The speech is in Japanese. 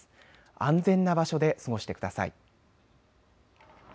安全な場所で過ごしてください。